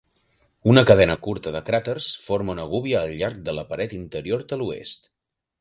Una cadena curta de cràters forma una gúbia al llarg de la paret interior a l'oest.